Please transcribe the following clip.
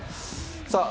さあ